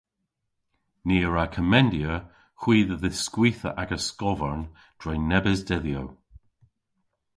Ni a wra komendya hwi dhe dhiskwitha agas skovarn dre nebes dedhyow.